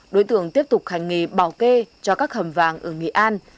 giả tù tiếp tục hành nghề bảo kê cho các hầm vàng ở nghệ an